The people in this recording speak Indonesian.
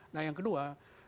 nah yang kedua